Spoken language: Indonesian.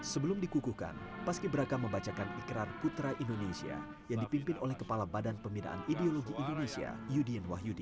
sebelum dikukuhkan paski braka membacakan ikran putra indonesia yang dipimpin oleh kepala badan pemirahan ideologi indonesia yudin wahyudi